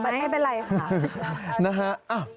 ไม่เป็นไรค่ะ